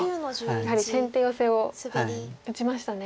やはり先手ヨセを打ちましたね。